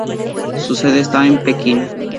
Su sede está en Pekín.